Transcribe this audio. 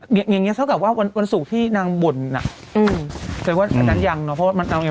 อย่างเงี้เท่ากับว่าวันวันศุกร์ที่นางบ่นน่ะอืมแสดงว่าอันนั้นยังเนอะเพราะว่ามันเอาไง